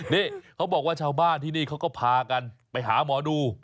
นี่เขาบอกว่าชาวบ้านที่นี่เขาก็พากันไปหาหมอดู